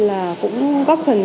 là cũng góp phần